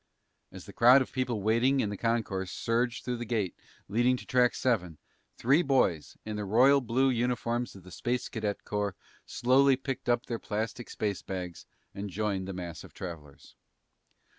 As the crowd of people waiting in the concourse surged through the gate leading to Track Seven, three boys in the royal blue uniforms of the Space Cadet Corps slowly picked up their plastic space bags and joined the mass of travelers.